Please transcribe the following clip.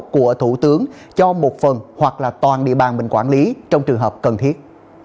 của thủ tướng cho một phần hoặc là toàn địa bàn mình quản lý trong trường hợp cần thiết